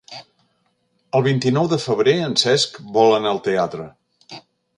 El vint-i-nou de febrer en Cesc vol anar al teatre.